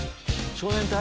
少年隊！